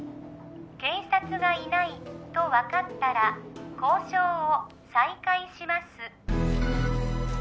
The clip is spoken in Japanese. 警察がいないと分かったら交渉を再開します